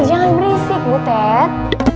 jangan berisik butet